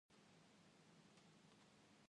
Dia patah hati karena ditinggal tunangannya menikah.